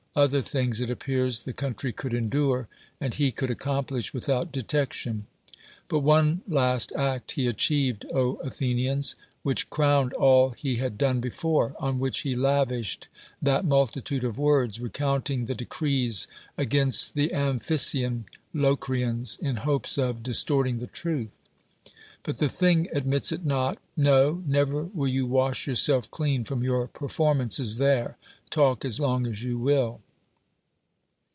Other things, it appears, the country could endure, and he could accomplish without detection : but one last act he achieved, Athenians, which crowned all he had done before ; on which he lavished that multitude of words, recounting the decrees against the Amphissian Locrians, in hopes of dis torting the truth. But the thing admits it not. No ! never will you wash A^ourself clean from your performances there — talk as long as you will